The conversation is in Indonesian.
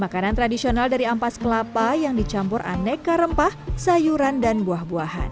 makanan tradisional dari ampas kelapa yang dicampur aneka rempah sayuran dan buah buahan